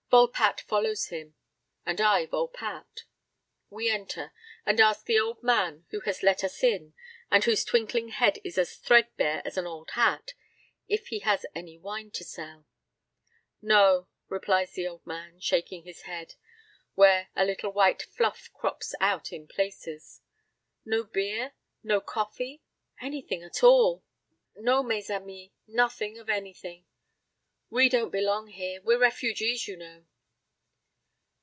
Volpatte follows him, and I Volpatte. We enter, and ask the old man who has let us in and whose twinkling head is as threadbare as an old hat, if he has any wine to sell. "No," replies the old man, shaking his head, where a little white fluff crops out in places. "No beer? No coffee? Anything at all " "No, mes amis, nothing of anything. We don't belong here; we're refugees, you know."